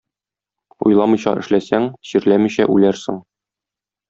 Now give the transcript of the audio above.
Уйламыйча эшләсәң, чирләмичә үләрсең.